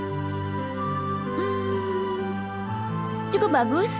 hmm cukup bagus